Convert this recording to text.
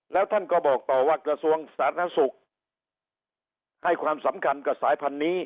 แล้วท่านก็บอกต่อว่ากระทรวงสาธารณสุขให้ความสำคัญกับสายพันธุ์นี้